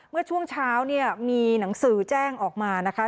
เมื่อช่วงเช้าเนี่ยมีหนังสือแจ้งออกมานะคะ